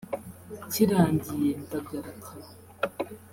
kirangiye ndagaruka